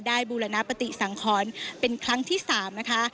บูรณปฏิสังขรเป็นครั้งที่๓นะคะ